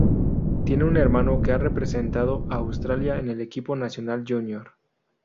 Tiene un hermano que ha representado a Australia en el equipo nacional junior.